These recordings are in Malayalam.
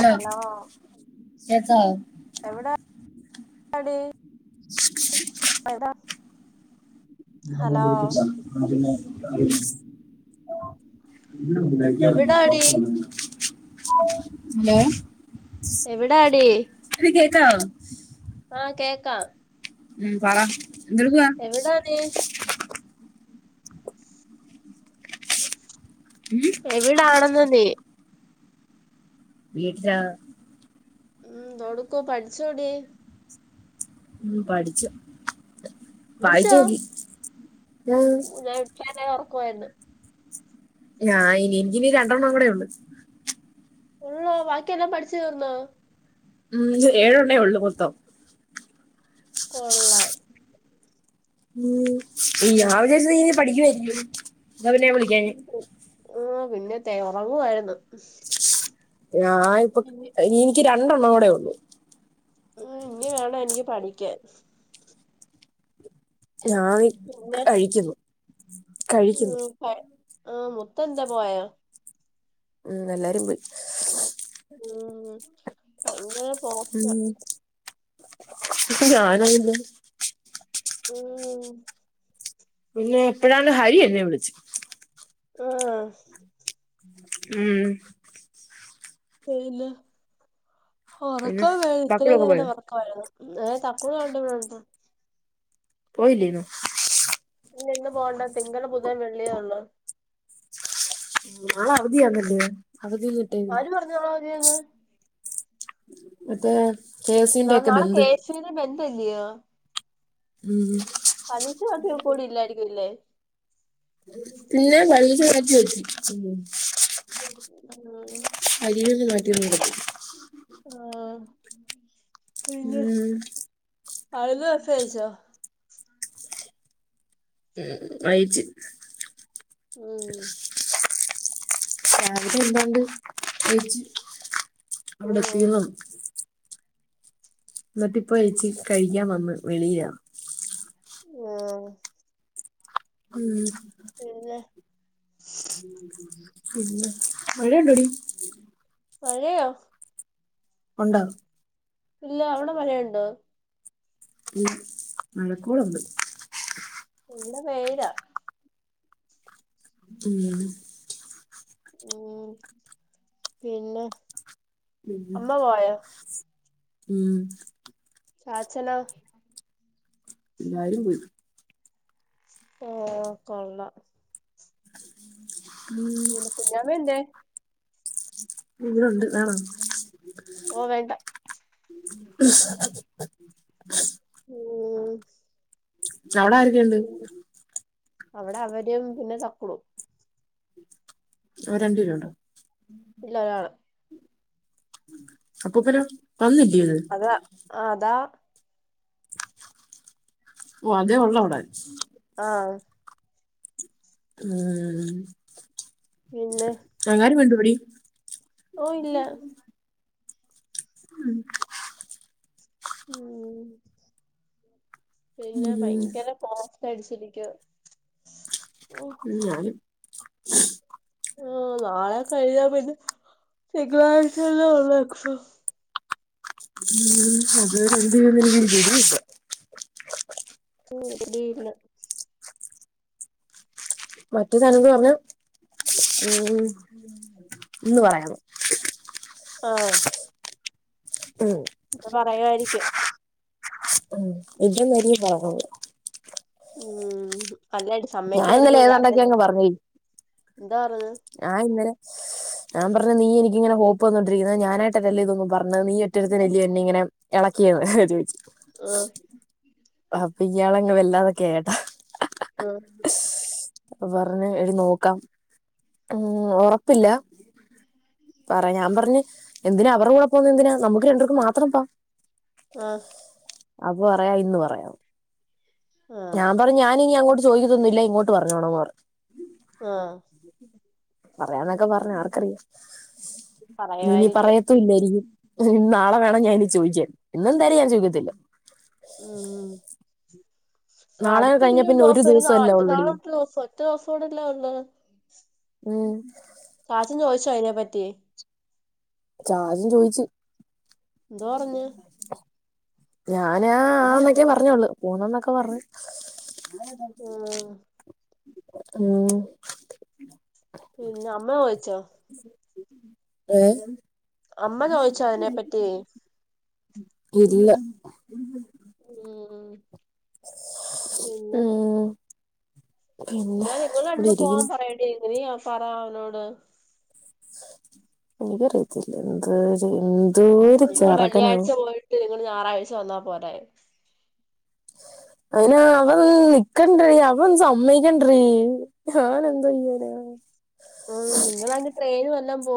ആഹ് ഹലോ എന്താ എവിടെയാടി [unintelligible] എവിടാ ഹലോ വിളിച്ചിച്ചതാ എന്നാപിന്നെ എവിടാടി [unintelligible] ഹലോ എവിടാടി എടീ കേക്കാവോ ആഹ് കേക്കാം ഉം പറ എന്തെടുക്കുവാ എവിടാ നീ [inaudible] എവിടാണെന്ന് നീ [unintelligible] ഉം എന്താടുക്കുവാ പഠിച്ചോടീ? ഉം പഠിച്ചുവായിച്ചു പഠിച്ചോ നോക്കി ആഹ് ഞാനിത്രയും നേരം ഉറക്കമായിരുന്നു. ഞാനിനി എനിക്കിനി രണ്ടെണ്ണംകൂടെയുള്ളു. ഉള്ളോ വാക്കിയെല്ലാം പഠിച്ചു തീർന്നോ? ഉം ഇത് ഏഴെണ്ണമേ യുള്ളൂ. മൊത്തം. കൊള്ളാം ഉം രാവിലെയിരുന്നു കഴിഞ്ഞാൽ പഠിക്കുമായിരിക്കും. എന്നാലെന്നെ വിളി ആഹ് പിന്നെ തയ്യാറാകുവായിരുന്നു. ഞാനിപ്പൊ എനിക്കു രണ്ടെണ്ണംകൂടെയേ യുള്ളു ഉം ഇനിവേണമെനിക്കുപഠിക്കാൻ ഞാ [unintelligible] വി പിന്നെ കഴിക്ക് [unintelligible] പോ ഉം ആ മുത്തു ന്താ പോയോ? ഉം എല്ലാരും പോയി. ഉം ഭയങ്കര. പോക്കാ ഉം ഓ പിന്നെ പ്പഴാണ് ഹരി എന്നെ വിളിച്ച് ആഹ. ഉം. പിന്നെ പിന്നെ ഉറക്കം വേ ഇത്രേം ബക്കളൊക്കെ പോയോ നേരം ഉറക് ഏഹ് തക്കുടു അവടെ ബടെ ണ്ട് [unintelligible] പോയില്ലെന്നു. ന് ഇന്ന് പോണ്ട തിങ്കൾ ബുധൻ വെള്ളി യേ ഉള്ളൂ. നാളെ അവധിയാന്നല്ലേ അവധി കിട്ടേനി. ആര് പറഞ്ഞു നാളെ അവധിയാന്ന് അതെ ന നാളെ കെ എസ് യു ടെ ബന്ദ് അല്ലെയോ? ഉം. കദീസു ആ [unintelligible] ഗ്രൂപ്പോളിൽ ഇല്ലായിരിക്കുംല്ലേ? [unintelligible] പിന്നെ പരീക്ഷ മാറ്റി വെച്ച്. മ് അരിയന്ന് നാട്ടിന്ന് കൊടുക്കും. ആഹ പിന്നെ ഉം അയ്ന് മെസ്സേജയച്ചോ? ഉം ഉം അയ്ച്ച്. ഉം. രാവിലെ എന്താണ്ട് കയിച്ച് അവിടെ ഉം എത്തിനോ ന്ന്ട്ടപ്പോ എച്ചി കഴിക്കാൻ വന്ന് വെളിയില. ആഹ ഉം. പിന്നെ. പിന്നെ മഴയുണ്ടോടി? മഴയോ? ഉണ്ടോ? ഇല്ല അവ്ടെ മഴയുണ്ടോ? ഉം മഴക്കോളുണ്ട്. വ്ടെ വെയിലാ. ഉം. ഉം പിന്നെ. പിന്നെ അമ്മ പോയോ ഉം. ചാച്ചനോ? എല്ലാരും പോയി. ആഹ കൊള്ളാ. ഉം. കുഞ്ഞാമെന്തെ? ഇവിടൊണ്ട് വേണൊ? ഓഹ് വേണ്ട. ഉം. [unintelligible] ആര് അവടെ അവരും പിന്നെ തക്കുടു. അവരണ്ടേരുണ്ടോ? ഇല്ല ഒരാള് അപ്പൂപ്പനൊ വന്നില്ല്യോത് അത ആതാ. വൊ അതെ ഒള്ളോ അവ്ടെ. ആഹ്. ഉം പിന്നെ. ങ്ങാരെ കണ്ടുപിടി. ഓഹ് ഇല്ല. ഉം. ഉം പിന്നെ ഉം ഭയ്ങ്കരെ. പോസ്റ്റ്‌ടിച്ചിരിക്ക്വ ഉം ഞാനും. ആഹ് നാളെ കഴിഞാ പിന്നെ തിങ്കളാഴ്ച്ചല്ലെ ഒള്ളു എക്സാം ഉം അത് വരെ എന്തെയ്യുന്നെനിക്ക് ഒരു പിടിയില്ല [unintelligible] മറ്റേതാണേങ്കി പർഞ്ഞ ഉം ഇന്ന് പറയണം. ആഹ്. ഉം. പറയ്വാരിക്കും. ഉം ഇത് നെരി [unintelligible] ഉം അല്ലെടി ഞാൻ ഇന്നലെ സമ്മയ്ക്കാരിക്കൂടി അല്ല ഏതാണ്ടൊക്കെ എന്തോറഞ്. ആഹ് ഇന്നലെ. ഞാൻ പറഞ് നീ എനിക്കിങ്ങനെ ഹോപ്പന്നോണ്ടിരിക്ക്ന്നെ ഞാനായിട്ട് അല്ലലോ ഇതൊന്നും പർഞ്ഞേ നീ ഒറ്റരുത്തനല്ല്യോ എന്നെ ഇങ്ങെനെ. എളക്ക്യെത് ചോയ്ച്. ആഹ്. അപ്പ ഇയാളങ്ങ് വല്ലാതൊക്കേയട്ടാ. ആഹ്. പർഞ് എടി നോക്കാം ഉം ഒറപ്പില്ല. പറയ ഞാപർഞ്ഞ് എന്തിനാ അവറൂടെ പോന്നെന്തിനാ നമുക്ക് രണ്ടുർക്കും മാത്രം പ്പൊം ആഹ്. അപ്പറയാ ഇന്ന് പറയാം ആഹ് ഞാൻ പറഞ് ഞാനിനി അങ്ങോട്ട് ചോയിക്കതൊന്നുല്ല്യ ഇങ്ങോട്ട് പർഞ്ഞോണം ന്ന് പർഞ്. ആഹ്. പറയാന്നൊക്കെ പർഞ് ആർക്കറിയാം ഇന്നിനീ പറയുവായിരിക്കും പറയ ത്തുല്ലായിരിക്കും നാളെ വേണം ഞായിനി ചോയിക്കാൻ ഇന്നെന്തായാലും ഞാൻ ചോയ്ക്കത്തില്ല. ഉം. നാളെ കഴിഞ്ഞ അട്ത്തില്ല്യൊര് പിന്നെ ദോസൊ ഒരു ദിവസമല്ലേ നാട്ട് ഓൾറെഡി നാളെ ഒറ്റദോസൊ ഒറ്റോസൊടില്ലെ ഒള്ള് ഉം. ചാച്ചൻ ചോയ്ച്ചൊ അയിനെപ്പറ്റി. ചാച്ചൻ ചോയ്ച്. എന്തൊറഞ് ഞാനാ ആന്നൊക്കെ പറഞ്ഞോളു പോവുന്നന്നൊക്കെ പറഞ്. മ്മ്ഹ് മ്മ് പിന്നെ അമ്മചോയിച്ചോ എഹ് അമ്മ ചോയിചോ അയിനെപ്പറ്റി ഇ ഇല്ല ഉം പിന്നെ ഉം പിന്നെ എന്നാ നിങ്ങള് ഇവിടെ രണ്ടൂടി പോവാൻ ഇരിക്കുന്നു പറയടി നീ പറ അവനോട് എനിക്കറിയത്തില്ല എന്തര് എന്തോ ഒരു ചെറക്കനാ നിങ്ങള് ഞായറാഴ്ച വന്നാ പോരായൊ അയിന് അവൻ നിക്കണ്ടടി അവൻ സമ്മയിക്കട്രടി ആഹ ഞാനെന്തോ ചെയ്യാനാ ഉം നിങ്ങളയിന് ട്രെയിന് വല്ലോം പോ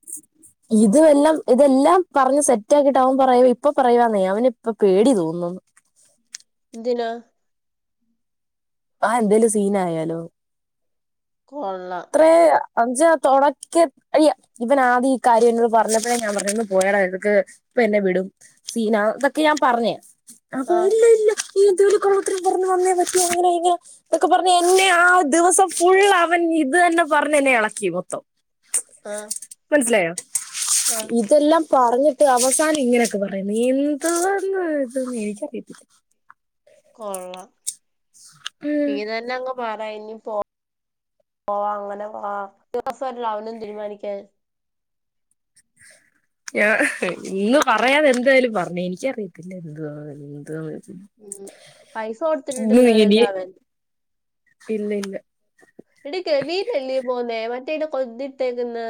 [inaudible] ഇതവെല്ലാം ഇതെല്ലാം പറഞ്ഞ് സെറ്റ് ആക്കിട്ട് അവൻ പറയുവ ഇപ്പൊ പറയവാന്നേ അവന് ഇപ്പ പേടി തോന്ന് എന്തിനാ ആ എന്തേലും സീൻ ആയാലോ കൊള്ളാം ഇത്രേയാ അന്നച്ചാ തൊടക്ക അയ്യ ഇവന ആദ്യം ഈ കാര്യം എന്നോട് പറഞ്ഞപ്പോഴേ ഞാൻ പറഞ് ഒന്ന് പോയടാ ഇതൊക്ക ഇപ്പ എന്നെ വിടും സീന ഇതൊക്കെ ഞാൻ പറഞ് അപ്പൊ ആ ഇല്ല ഇല്ല ഈ എന്ത് വല്ല്യ കള്ളത്തരം പറന്ന് വന്നേ പറ്റിവൊ അങ്ങനെ ഇതൊക്കെ പറഞ് എന്നെ ആ ദിവസം ഫുള്ള് അവൻ ഇത് തന്നെ പറഞ്ഞ് എന്നെ എളക്കി മൊത്തം ആഹ് മനസിലായോ ഇതെല്ലാം പറഞ്ഞിട്ട് അവസാനം ഇങ്ങനെയൊക്കെ പറയാ നീ എന്താന്ന് ഇത് എനിക്കറിയത്തില്ല കൊള്ളാം ഉം നീ തന്നെ അങ്ങ് പറയ് ഇനി പോ പോവാ അങ്ങനെ വാ ദിവസം വല്ല അവനും തീരുമാനിക്കാൻ ഇന്ന് പറയാതെ എന്തായാലും പറഞ്ഞു എനിക്കറിയത്തില്ല എന്തുവാന്നു എന്ത്‌ വാന്നു ഉം പൈസ കൊടുത്തിട്ടിട്ടില്ലല്ലോ ഇനി അവൻ ഇല്ല ഇല്ല എടി ഗവിലല്ലെ പോന്നെ മറ്റേ ഇത്ട്ടേക്കന്ന്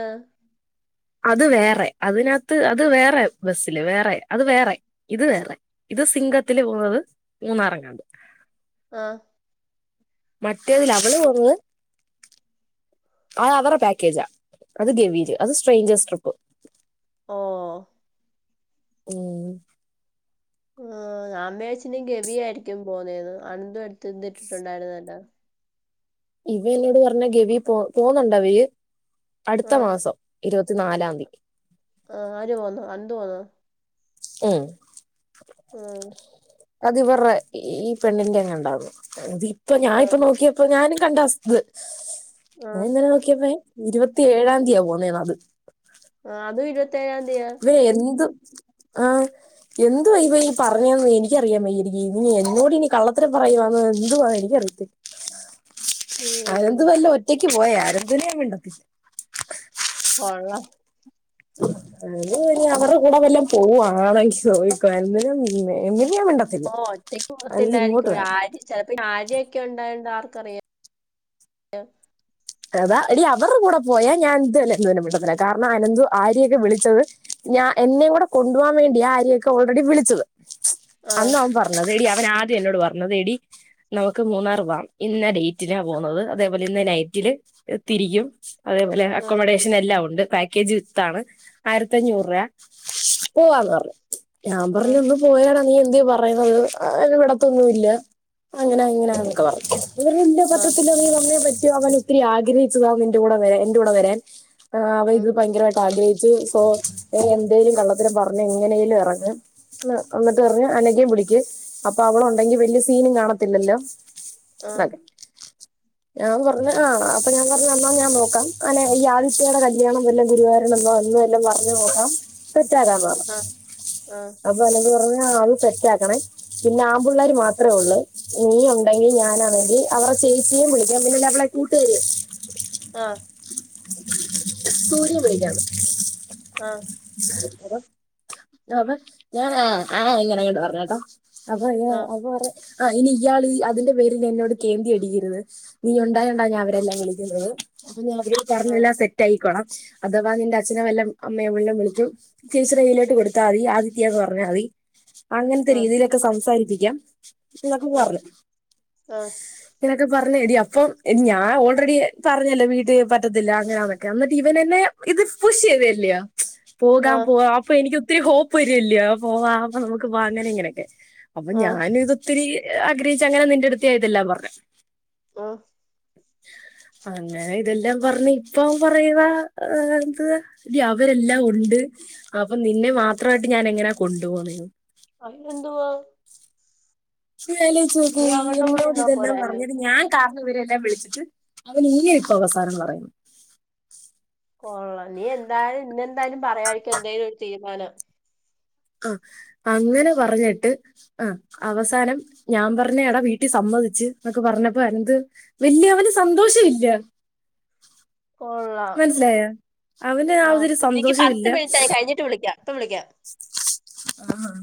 അത് വേറെ അതിനകത്ത് അത് വേറെ ബസ്സില് വേറെ അത് വേറെ ഇത് വേറെ ഇത് സിംഗത്തില് പോകുന്നത് മൂന്നാറങ്ങാണ്ട് ആഹ് മറ്റേതിൽ അവള് പോന്നത് അ അവരേ പാക്കേജാ അത് ഗവീല് അത് സ്ട്രേഞ്ചർസ് ട്രിപ്പ് ഓഹ് ഉം ആ ഞാൻ വിചാരിച്ചു ഇനി ഗവിയായിരിക്കും പോന്നേന്ന് അണന്തും എടുത്ത് ഇട്ടിട്ടുണ്ടായിരുന്നല്ലോ ഇവ എന്നോട് പറഞ്ഞ ഗവി പോ പോന്നുണ്ടവര് അടുത്ത ആ മാസം ഇരുപത്തി നാലാം തീ ആ ആര് പോന്നോ അനന്തു പോന്നോ മ്മ് ആഹ് സത്യം പറഞ്ഞ ഈ പെണ്ണിന്റെ അങ്ങെണ്ടാ തോന്നുന്നു ഇതിപ്പൊ ആ ഞാനിപ്പ നോക്കിയ ഇപ്പൊ ഞാനും കണ്ടത് ആ ഞാൻ ഇന്നനെ നോക്കിയപ്പോ ഇരുപത്തി ഏഴാന്തിയാ പോകുന്നേ അത് ആ അതും ഇരുപത്തേഏഴാംതിയ എന്ത്‌ ആഹ എന്തുവാ ഇവൻ ഈ പറഞ്ഞേന്ന് എനിക്കറിയാ വയ്യനിക്ക് ഇനി എന്നോട് ഇനി കള്ളത്തരം പറയുവാന്ന് എന്തുവാ ക്കറിയത്ത് ഉം അനന്തു മെല്ലെ ഒറ്റയ്ക്ക് പോയ അനന്തു വിനെ ഞാ മിണ്ടത്തില്ല കൊള്ളാം അത് പിന്നെ അവര്ടെ കൂടെ വല്ലൊം പോവാണെങ്കി നോക്കിക്കോ എന്നാ പിന്നെ മിണ്ടതില്ല ഓഹ് ഒറ്റയ്ക്ക് പോവത്തില്ലായിരിക്കു ആര് ചെലപ്പൊ ഇ ആര്യൊക്കെ ഇണ്ടായോണ്ട് ആർക്കറിയാം അതാ എടീ അവറ്ട കൂട പോയാ ഞാൻ ഇതല്ല എ തന്നെ മിണ്ടത്തില്ല. കാര്ണം അനന്തു ആര്യയൊക്കെ വിളിച്ചത്... ഞാ എന്നേം കുട കൊണ്ടു പോവാൻ വേണ്ട്യ ആര്യക്കെ ഓൾറെഡി വിളിച്ചത്. ആ അന്ന് അവൻ പർ അതേടീ അവനാദ്യെ എന്നോട് പറഞ്ഞത്, എടീ? നമുക്ക് മൂന്നാറ് പോവാം. ഇന്ന ഡെയ്റ്റില പോവ്ന്നത്. അതേപോലെ ഇന്ന് നൈറ്റില്... തിരിക്കും. അതെപോലെ ആ അക്കൊമൊഡേ ഷനെല്ലാം ഉണ്ട്. പാക്കേജ് വിത്താണ് ആയിരത്തഞ്ഞൂറ് രൂവ്യാ, പോവാന്ന് പർഞ്ഞു. ഞാ ആ പർഞ്ഞു ഇന്ന്... പോയേടാ നീ എന്തെ പറയുന്നത്? എന്നെ വിടത്തൊന്നൂല്ല അങ്ങന ഇങ്ങന ന്നൊക്ക പറഞ്ഞു. അവനില്ലാതെ പറ്റത്തില്ല അവനെന്തേ ആ പറ്റതില്ലാ നീ വന്നെ പറ്റു അവൻ ഇത്തിരി ആഗ്രഹിച്ചതാ നിന്റെ കൂടെ വരാൻ എന്റൂട വരാൻ. ആഹ് അവൻ ഉം, ഇത് ഭയങ്കരായിട്ട് ആഗ്രഹിച്ചു സോ, എന്തേലും കള്ളത്തരം പർഞ്ഞ് എങ്ങനേലും എറങ്ങ്. എന്നിട്ട് പറഞ്ഞ് അനകേം വിളിക്ക്, അപ്പൊ അവളുണ്ടെങ്കി വല്യ സീനും കാണത്തില്ലല്ലൊ? ആ ക്കെ, ഞാ പർഞ്ഞു... ആഹ്, അപ്പ ഞാ പർഞ്ഞു എന്നാ ഞാൻ നോക്കാം. അങ്ങനെ ഈ ആദിത്യേടെ കല്യാണം വല്ലും ഗുരുവാഴൂര് വന്ന്... പർഞ്ഞ് നോക്കാം സെറ്റാക്കാന്ന്. പർഞു ആഹ് ആഹ്. അപ്പൊ അനക പർഞ്ഞു അത് സെറ്റാക്കണേ? പിന്ന ആമ്പിള്ളാര് മാത്രെ ഉള്ള്. നീ ഉണ്ടെങ്കി ഞാൻ അവന്റി അവറെ ചേച്ചിയെ വിളിക്കാം, പിന്നെ ലവളെ കൂട്ട്കാരി ആഹ്... സൂര്യ വിളിക്കാന്ന്. ആഹ്. [inaudible] അപ്പ, ഞാനാ ആഹ്, ഇങ്ങനെങ്ങോട്ട് പറഞ്ഞു കെട്ടോ? അപ്പൊ ആ ആ അപ്പൊ പറ... ആഹ്, ഇനി ഇയാള് അതിന്റെ പേരിലെന്നോട് കേന്തി അടിക്കര്ത്. നീ ഉണ്ടായോണ്ട ഞാ അവരെല്ലാം വിളിക്ക്ന്നത്. അപ്പൊഞി അവര്... പറഞ്ഞെല്ല ആ സെറ്റാകിക്കോളാം. അഥവാ നിന്റെ അച്ഛനെ വല്ലൊം അമ്മയെ വല്ലം വിളിക്കും ചേച്ചിടെ കയ്യിലോട്ട് കൊട് താ ആദിത്യാന്ന് പർഞ്ഞാ മതി. അങ്ങൻത്തെ രീതിയിലൊക്ക സംസാരിപ്പിക്കാം. ഇതൊക്ക പർഞ്ഞു. ഇങ്ങനൊക്ക പർഞ്ഞു എടീ അപ്പൊ ഞാ ഓൾറെഡി പറഞ്ഞല്ലൊ വീട്ടി പറ്റത്തില്ല അങ്ങനെയാന്നൊക്കെ എന്നിട്ട് ഇവനെന്നേ. ഇത് പുഷ് ചെയ്തല്ല്യോ? പോകാം ആ പോവാ അപ്പൊ എനിക്ക് ഒത്തിരി ഹോപ്പ് വരില്ല്യോ? പോവാം. ആഹ് നമുക്ക് വാ അങ്ങനെ ഇങ്ങനെയൊക്കെ. അപ്പൊ ആ ഞാനു ഇത്... ഒത്തിരി ആഗ്രഹിച്ച അങ്ങനെ നിന്റട്ത്ത് ഞാ ഇതെല്ല പർഞ്ഞ്. ഓഹ്. അങ്ങനെ ഇതെല്ലാം പർഞ്ഞ് ഇപ്പ അവൻ പറയുവാ എന്ത്? ടി അവരെല്ലാം ഉണ്ട്. അപ്പൊ നിന്നെ മാത്രവായിട്ട് ഞാൻ എങ്ങനാ കൊണ്ട് പോവ്ന്നേന്ന്? അയിനെന്തുവാ? നീ അലോയ്ച്ചോക്, നീ അവരുടെ കൂടെ നിന്നോട് നിന്നാ ഇതെല്ലാം പോരായോ പർഞ്ഞത് ഞാൻ... കാറ്ണിവര് എല്ലാം വിള്ച്ചിട്ട്, അവന് ഇയ്യ ഇപ്പ അവസാനം പറയുന്ന്. കൊള്ളാം. നീ എന്തായാലും ഇന്നെ എന്തായാലും പറയായ്ര്ക്കും എന്തേലും ഒര് തീരുമാനം. ആഹ്, അങ്ങനെ പർഞ്ഞ്ട്ട്... ആഹ്, അവസാനം ഞാ പർഞ്ഞ് എട വീട്ടി സമ്മതിച്ച് എന്നൊക്ക പറഞ്ഞപ്പൊ എന്ത്? വല്യെ അവന് സന്തോഷ ഇല്ല. കൊള്ളാം. മനസ്സിലായോ അവന് ആ ആഹാ ഒരു എനിക്ക് പത്ത് മിനിട്റ്റായി കഴിഞ്ഞിട്ട് വിളിക്കാം ഇപ്പം വിളിക്കാം. ആഹഹ.